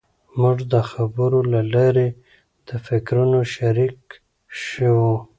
موږ د خبرو له لارې د فکرونو شریک شوو.